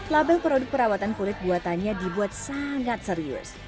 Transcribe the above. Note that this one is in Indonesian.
label produk perawatan kulit buatannya dibuat sangat serius